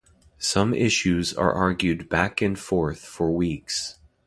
Some issues are argued back and forth for weeks.